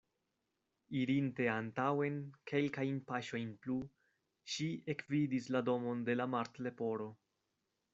Irinte antaŭen kelkajn paŝojn plu, ŝi ekvidis la domon de la Martleporo.